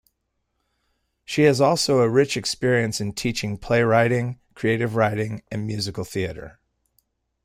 She has also a rich experience in teaching playwriting, creative writing, and musical theatre.